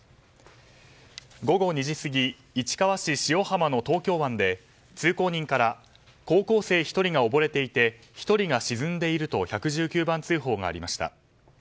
午後２時過ぎ市川市塩浜の東京湾で通行人から高校生１人が溺れていて１人が沈んでいると１１９番通報がありました。